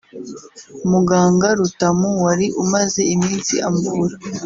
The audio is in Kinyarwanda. Muganga Rutamu wari umaze iminsi amvura